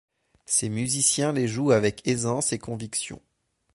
Ses musiciens les jouent avec aisance et conviction.